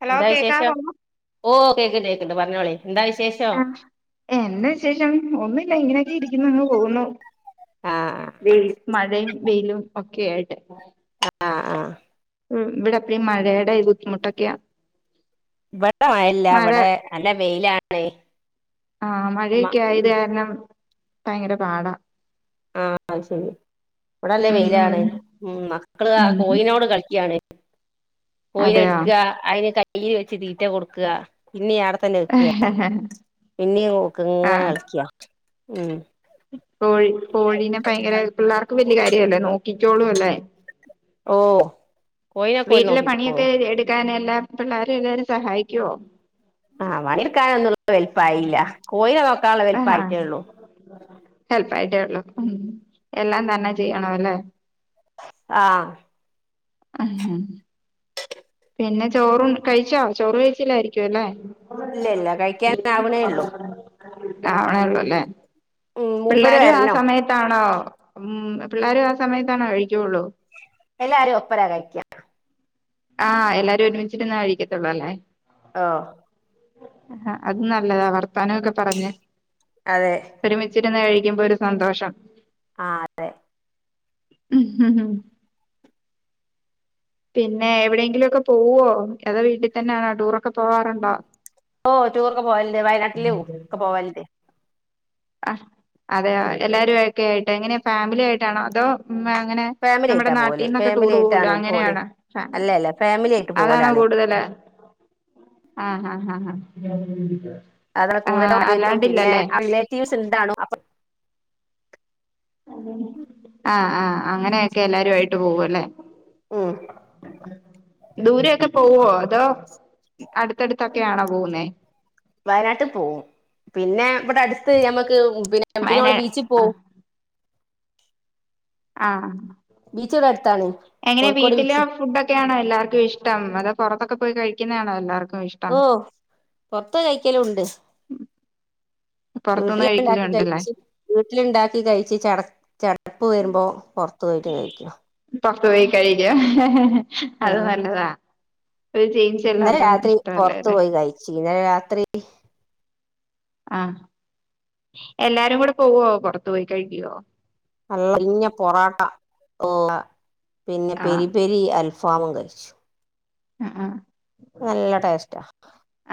Hello കേക്കാവോ? ഓഹ് കേക്ക്ണ്ട് കേക്ക്ണ്ട് പറഞ്ഞോളി, എന്താ വിശേഷം? എന്ന വിശേഷം ഒന്നില്ല ഇങ്ങനെയൊക്കെ ഇരിക്കുന്നു അങ്ങ് പോകുന്നു. ആഹ്. വെ മഴയും വെയിലും ഒക്കെയായിട്ട്. ആഹ് ആഹ്. ഉം ഇവിടപ്പിം മഴേട ഇ ബുദ്ധിമുട്ടൊക്കെയ ഇവിടെ മഴയല്ല ഇവിടെ നല്ല വെയിലാണ്. ആഹ് മ മഴക്കെ ആയത് കാരണം ഭയങ്കര പാടാ. ആഹ് അഹ് ശരി ഇവിടെല്ലേ ഉം ഉം വെയിലാണ്. ഉം മക്കള് ആ ഉം ഉം കോയിനോട് കളിക്കയാണ്. കോയിനെ അതെയോ എടുക്ക അയിനെ കയ്യിൽ വെച്ച് തീറ്റ കൊടുക്ക പിന്നി ആട തന്നെ വക്ക പിന്നീ നോക്ക ഇങ്ങനെ ആഹ് കളിക്ക ഉം. കോഴി കോഴീനെ ഭയങ്കര പിള്ളേർക്ക് വല്യ കാര്യല്ലേ നോക്കിക്കോളൂ അല്ലേ? ഓഹ് വീട്ടിലെ പണിയൊക്കെ എടുക്കാൻ എല്ലാം പിള്ളേരും എല്ലാരും സഹായിക്കോ? ആഹ് പണി എട്ക്കാനുള്ള വലിപ്പായില്ല കോയിനെ നോക്കാനുള്ള ആഹാ വലിപ്പായിട്ടേ ഉള്ളൂ ഹെൽപ്പ് ആയിട്ടേ ഉള്ളു എല്ലാം തന്നെ ചെയ്യണ അല്ലേ? ആഹ് ഹ് ഹും പിന്നെ ചോറും കഴിച്ചോ ചോറ് കഴിച്ചില്ലായിരിക്കുവല്ലെ? ഇല്ല ഇല്ല കഴിക്കാനാവണേ ഉള്ളൂ [unintelligible] ആവണേള്ളൂല്ലേ ഉം മൂപ്പര് പിള്ളോരും ആ വരണം സമയത്ത് ത്ത് ആണോ ഉം പിള്ളേര് ആ സമയത്താണോ കഴിക്ക്‌ള്ളൂ? എല്ലാരും ഒപ്പരാ കഴിക്ക ആഹ് എല്ലാരും ഒരുമിച്ചിട്ട്ന്നെ കഴിക്കത്തുള്ളൂ അല്ലേ ആഹ് ആ അത് നല്ലതാ വർത്താനോക്കെ പറഞ്ഞ് അതെ ഒരുമിച്ചിരുന്ന് കഴിക്കുമ്പോ ഒരു സന്തോഷം. ആഹ് അതെ പിന്നെ എവിടെയെങ്കിലും ഒക്കെ പോവോ അതോ വീട്ടി തന്നാണോ ടൂറൊക്കെ പോവാറുണ്ടോ? ഓഹ് ടൂറൊക്കെ പോവല്ണ്ട് വയനാട്ടിലും ഒക്കെ പോവല്ണ്ട് ആഹ് അതെയോ എല്ലാരും ഒക്കെ ആയിട്ട് എങ്ങനെ ഫാമിലി ആയിട്ടാണോ അതോ ഉം അങ്ങനെ ഫാമിലി നമ്മടെ ആയിട്ടാ പോവല് നാട്ടീന്നൊക്കെ ഫാമിലി ടൂർ പോവോലോ ആയിട്ടാണ് പോവല് അങ്ങനെയാണ അഹ് അല്ല അല്ല ഫാമിലി ആയിട്ട് അതാണോ പോവലാണ് കൂടുതല് [unintelligible] ആഹ് ആഹ് ആഹ് ആഹ് അതാ കൂടുതലും [unintelligible] പിന്നെ അല്ലാണ്ടില്ലല്ലേ റിലേറ്റീവ്സ് ഇണ്ടാണും അപ്പ. ആഹ് ആഹ് അങ്ങനെയൊക്കെ എല്ലാരും ആയിട്ട് പോവും അല്ലെ ഉം ദൂരെ ഒക്കെ പോവോ അതോ അടുത്തടുത്തൊക്കെയാണോ പോവുന്നേ വയനാട്ട് പോവും പിന്നെ ഇവടെ അടുത്ത് ഞമ്മക്ക് പിന്നെ പിന്നെ വയനാ നമ്മള് ബീച്ചിൽ ആഹ് പോവും ആഹ് ബീച്ച് ഇവിടെ അടുത്താണ് എങ്ങനെ കോഴിക്കോട് വീട്ടിലോ ബീച്ച് ഫുഡൊ ക്കെയാണോ എല്ലാർക്ക്‌ ഇഷ്ടം അതോ പുറത്തൊക്കെ പോയി കഴിക്കുന്നതാണോ എല്ലാർക്കും ഇഷ് ഓഹ് പൊറത്ത് പോയി കഴിക്കലും ഉണ്ട് പുറത്തുന്ന് വീട്ടില് ഉണ്ടാക്കി കഴിക്കലുണ്ടല്ലേ കയിച്ച് വീട്ടിലുണ്ടാക്കി കഴിച്ച് ചട ചടപ്പ് വരുമ്പോ പുറത്ത് പോയിട്ട് കഴിക്കും പൊറത്തു പോയി കഴിക്കും അത് ആ നല്ലതാ ഒരു ചെയ്ഞ്ച് ഇന്നലെ രാത്രി പൊറത്ത് പോയി കഴിച്ചു ഇന്നലെ രാത്രി ആഹ് എല്ലാരും കൂടെ പോവോ പൊറത്തു പോയി കഴിക്കോ നല്ല ഇഞ്ഞ പൊറാട്ട ഓഹ് പിന്നെ ആഹ് പെരി പെരി അൽഫാമും കഴിച്ചു ആഹ് ആഹ് നല്ല ടേസ്റ്റാ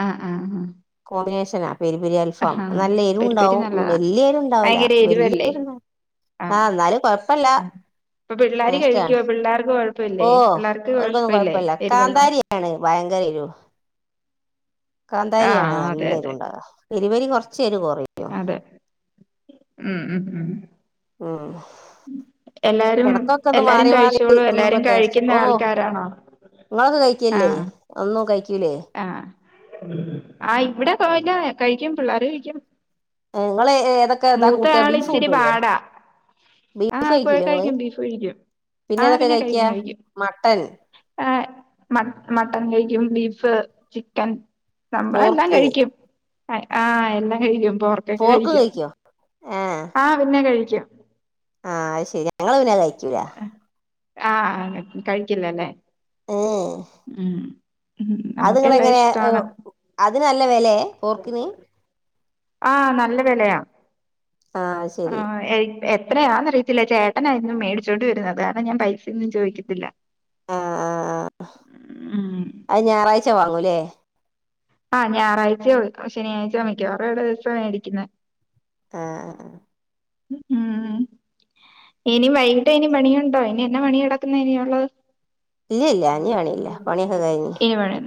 ആഹ് ആഹ് ആഹ് കോമ്പിനേഷനാ പെരി പെരി അൽഫ് പ്പം ആഹ് നല്ല എരു പെരിപ്പരി ഉണ്ടാവും നല്ലതാ വല്യ എരുവുണ്ടാവൂല ഭയങ്കര വല്യ എരിവല്ലേ എരുണ്ടാ ആഹ് ഇന്നാലും കൊഴപ്പല്ല ആഹ് ഇപ്പൊ പിള്ളേര് ടേസ്റ്റാണ് കഴിക്കുവോ പിള്ളേർക്ക് കൊഴപ്പല്ലേ ഓഹ് പിള്ളേർക്ക് ഓൽക്കൊന്നും കൊഴപ്പല്ലേ കൊഴപ്പല്ല എരിവൊന്നും കാന്താരി യാണ് വയങ്കര എരു കാന്താരിയാണ് ആഹ് അതെ നല്ല അതെ എരുണ്ടാവ പെരി പെരി കുറച്ചെരു കൊറെയ്ക്കും ഏഹ് ഉം ഉം ഉം ഉം എല്ലാരും ഇടക്കൊക്കെ ഒന്ന് എല്ലാരും മാറി മാറി കഴിച്ചോളൂ എല്ലാരും തിന്നുമ്പം ടേസ്റ്റ് കഴിക്കുന്ന ഓഹ് ആൾക്കാരാണോ ഇങ്ങളൊക്കെ കഴിക്കലില്ലേ ആഹ് ഒന്നും കഴിക്കൂലേ ആഹ് ആഹ് ഇവിടെ [unintelligible] കഴിക്കും പിള്ളാര് കഴിക്കും ഏഹ് ഇങ്ങള് ഏതൊക്കെ ഇതാ മൂത്ത കൂട്ടാ ആള് ബീഫ് ഇച്ചിരി കൂട്ടൂലേ പാടാ ബീഫ് ആഹ് കഴിക്കൂലേ ഇങ്ങള് കഴിക്കും ബീഫ് കഴിക്കും പിന്നെ ആഹ് ഏതൊക്കെ കഴിക്കാ മട്ടൻ ഏ മ മട്ടൺ കഴിക്കും ബീഫ് ചിക്കൻ നമ്മള് എല്ലാം പോർക്ക് കഴിക്കും ആഹ് എല്ലാം കഴിക്കും പോർ ക്കെക്കെ പോർക്ക് കഴിക്കും കഴിക്കോ ആഹ് പിന്നെ കഴിക്കും ആഹ് അത് ശെരി ഞങ്ങള് പിന്നെ അത് കഴിക്കൂല ആഹ് ആഹ് ആണ് കഴിക്കില്ലല്ലേ ഏഹ് ഉം ഉം നമുക്കെല്ലാം ഇഷ്ടാണ് അത് നല്ലതാല്ലേ പോർക്കിന് ആഹ് നല്ല വെലയാ ആഹ് ശരി ആഹ് എ എത്രയാന്നറിയ് ത്തില്ല ചേട്ടനാ എന്നും മേടിച്ചോണ്ട് വരുന്നത് അത് കാരണം ഞാൻ പൈസയൊന്നും ചോയ്ക്കത്തില്ല ആഹ് ആഹ് ആഹ് ഉം അത് ഞായറാഴ്ച വാങ്ങൂല്ലേ ആഹ് ഞായറാഴ്ചയോ ശനിയാഴ്ചയോ മിക്കവാറും [unintelligible] മേടിക്കുന്ന ആഹ് ആഹ് ഉം ഇനി വൈകിട്ട് ഇനി പണിയുണ്ടോ ഇനി എന്നാ പണികിടക്കുന്ന ഇനിയുള്ളത് ഇല്ല ഇല്ല ഇനി പണിയില്ല പണിയൊക്കെ കഴിഞ്ഞ് [unintelligible] ഇവടെ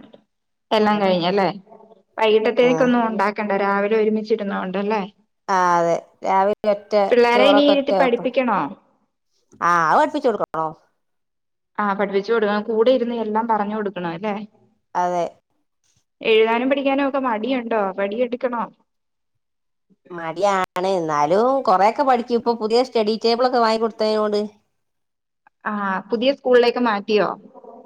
എല്ലാം കഴിഞ്ഞല്ലേ വൈകിട്ടത്തേക്ക് ആഹ് ഒന്നും ഉണ്ടാക്കണ്ട രാവിലെ ഒരുമിച്ചിരുന്ന കൊണ്ടല്ലേ ആഹ് അതെ രാവിലെ ഒറ്റ പിള്ളേരെ ഇനി ചോറൊക്കെ ഒറ്റ ഇരുത്തി വെപ്പാ പഠിപ്പിക്കണോ ആഹ് അത് പഠിപ്പിച്ചു കൊടുക്കണോ? ആഹ് പഠിപ്പിച്ചു കൊടുക്കണം കൂടെ ഇരുന്ന് എല്ലാം പറഞ്ഞു കൊടുക്കണം അല്ലേ അതെ എഴുതാനും പഠിക്കാനും ഒക്കെ മടിയുണ്ടോ വടിയെടുക്കണോ? മടിയാണ് എന്നാലും കൊറെയൊക്കെ പഠിക്കും ഇപ്പൊ പുതിയ സ്റ്റഡി ടേബിളൊക്കെ വാങ്ങി കൊടുത്തയിനോട് ആഹ് പുതിയ സ്കൂളിലേക്ക് മാറ്റിയോ?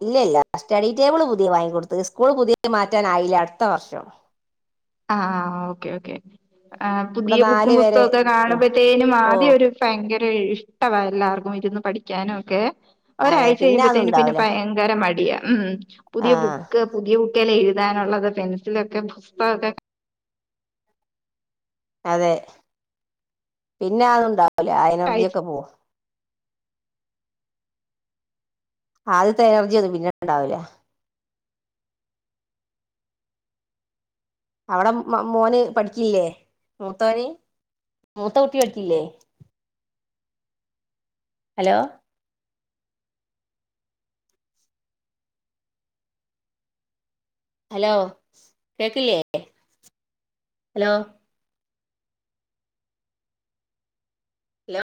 ഇല്ലല്ല സ്റ്റഡി ടേബിള് പുതിയ വാങ്ങി കൊടുത്ത് സ്കൂൾ പുതിയ മാറ്റാനായില്ല അടുത്ത വർഷം ആഹ് ആഹ് ഓക്കേ ഓക്കേ ആ ഇവിടെ പുതിയ ബുക്കും നാല് വരെ പുസ്തകമൊക്കെ കാണുമ്പഴത്തേനും ഓ ആദ്യം ഒരു ഭയങ്കര ഇഷ്ടവാ എല്ലാർക്കും ഇരുന്ന് പഠിക്കാനും ഒക്കെ അതെ ഒരാഴ്ച പിന്നെ കഴിയുമ്പത്തേന് പിന്നെ അതുണ്ടാവൂല ഭയങ്കര മടിയാ ഉം ആ പുതിയ ബുക്ക് പുതിയ ഉ ലെ എഴുതാനുള്ളത് പെൻസിലൊക്കെ പുസ്തകൊക്കെ അതെ പിന്നെ അതുണ്ടാവില്ല ആ എനർജിയൊക്കെ പോവും ആദ്യത്തെ എനർജി ഒന്നും പിന്നെ ഇണ്ടാവില്ല അവിടെ മ മോന് പഠിക്കില്ലേ മൂത്തോന് മൂത്ത കുട്ടി പഠിക്കില്ലേ ഹലോ ഹലോ കേക്കില്ലേ ഹലോ ഹലോ